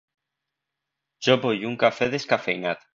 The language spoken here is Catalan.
Jo vull un cafè descafeïnat.